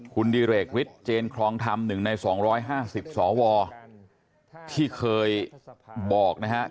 คุณดิเรกฤทธเจนครองธรรม๑ใน๒๕๐สวที่เคยบอกนะครับ